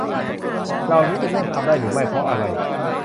เหล่านี้เป็นเรื่องทำได้หรือไม่ เพราะอะไร